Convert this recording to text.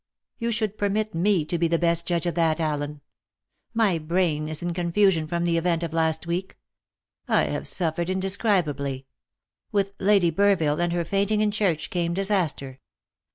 "You should permit me to be the best judge of that, Allen. My brain is in confusion from the event of last week. I have suffered indescribably. With Lady Burville and her fainting in church came disaster.